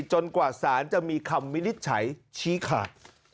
กว่าสารจะมีคำวินิจฉัยชี้ขาด